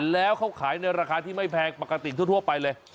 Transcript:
แล้วเขาขายในราคาที่ไม่แพงปกติทั่วไปเลย